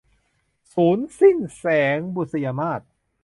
สูรย์สิ้นแสง - บุษยมาส